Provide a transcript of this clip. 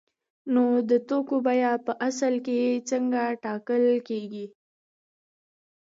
نو د توکو بیه په اصل کې څنګه ټاکل کیږي؟